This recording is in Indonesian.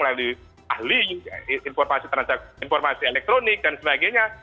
melalui ahli informasi elektronik dan sebagainya